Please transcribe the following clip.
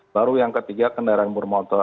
baru yang ketiga kendaraan bermotor